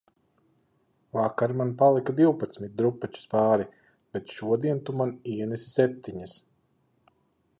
Vakar man palika divpadsmit drupačas pāri, bet šodien tu man ienesi septiņas